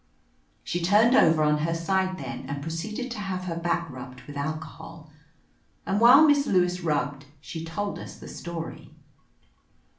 She turned over on her side then, and pro ceeded to have her back rubbed with alcohol. And while Miss Lewis rubbed, she told us the story.